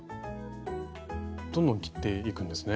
どんどん切っていくんですね。